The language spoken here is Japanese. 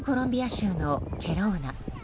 州のケロウナ。